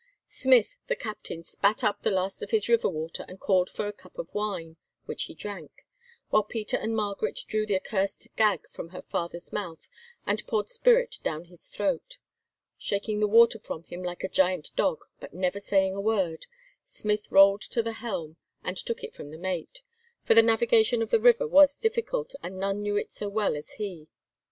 Smith, the captain, spat up the last of his river water and called for a cup of wine, which he drank; while Peter and Margaret drew the accursed gag from her father's mouth, and poured spirit down his throat. Shaking the water from him like a great dog, but saying never a word, Smith rolled to the helm and took it from the mate, for the navigation of the river was difficult, and none knew it so well as he.